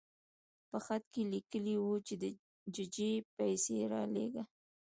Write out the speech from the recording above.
په خط کې لیکلي وو چې د ججې پیسې رالېږه.